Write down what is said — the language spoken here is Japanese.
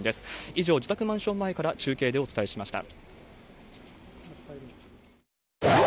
以上、自宅マンション前から中継でお伝えしました。